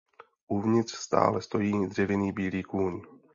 Uvnitř stáje stojí dřevěný bílý kůň.